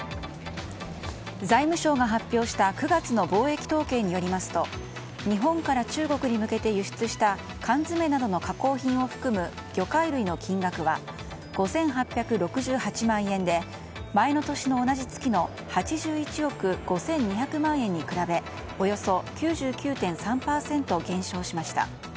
財務省が発表した９月の貿易統計によりますと日本から中国に向けて輸出した缶詰などの加工品を含む魚介類の金額は５８６８万円で前の年の同じ月の８１億５２００万円に比べおよそ９９．３％減少しました。